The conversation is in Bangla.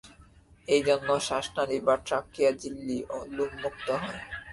এই জন্য শ্বাসনালী বা ট্রাকিয়া ঝিল্লি ও লোমযুক্ত হয়।